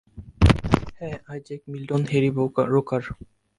হ্যাঁ Isaac Milton, Harry রোকার।